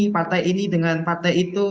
partai ini dengan partai itu